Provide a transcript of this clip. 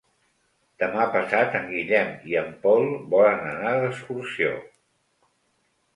Demà passat en Guillem i en Pol volen anar d'excursió.